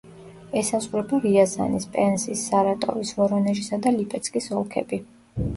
ესაზღვრება რიაზანის, პენზის, სარატოვის, ვორონეჟისა და ლიპეცკის ოლქები.